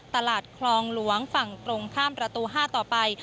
ตลาดคลองหลวงฝั่งตรงข้ามประตู๕ต่อไป